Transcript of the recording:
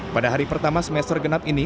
pada hari pertama semester genap ini